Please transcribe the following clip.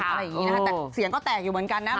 อะไรอย่างนี้นะคะแต่เสียงก็แตกอยู่เหมือนกันนะ